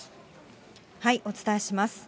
お伝えします。